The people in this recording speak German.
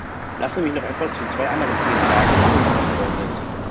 Lassen Sie mich noch etwas zu zwei anderen Themen sagen, die angesprochen worden sind.